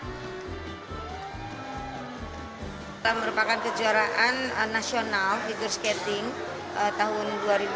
kita merupakan kejuaraan nasional figure skating tahun dua ribu dua puluh